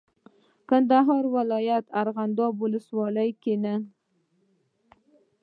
کندهار ولایت ارغنداب ولسوالۍ کې نن